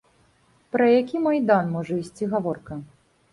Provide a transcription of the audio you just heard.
Пра які майдан можа ісці гаворка?